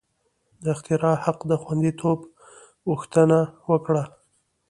د اختراع حق د خوندیتوب غوښتنه وکړي.